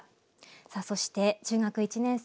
さあそして中学１年生